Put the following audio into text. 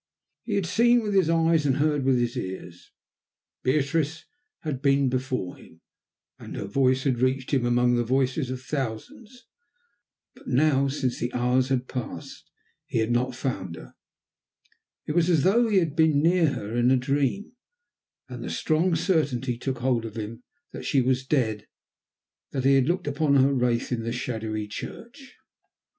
He had seen with his eyes and heard with his ears. Beatrice had been before him, and her voice had reached him among the voices of thousands, but now, since the hours has passed and he had not found her, it was as though he had been near her in a dream, and the strong certainty took hold of him that she was dead and that he had looked upon her wraith in the shadowy church.